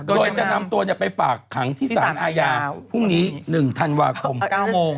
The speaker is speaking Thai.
โดยจะนำตัวไปฝากขังที่สารอาญาพรุ่งนี้๑ธันวาคม๙โมง